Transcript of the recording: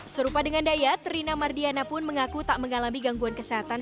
serupa dengan dayat rina mardiana pun mengaku tak mengalami gangguan kesehatan